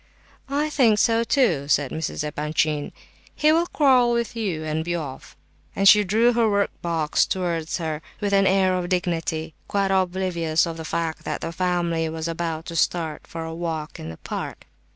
"I think so too," said Mrs. Epanchin; "he will quarrel with you, and be off," and she drew her workbox towards her with an air of dignity, quite oblivious of the fact that the family was about to start for a walk in the park.